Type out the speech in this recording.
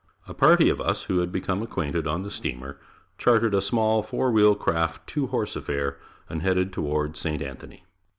A party of us who had become acquainted on the steamer, chartered a small four wheel craft, two horse affair and headed toward St. Anthony.